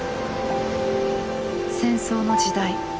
戦争の時代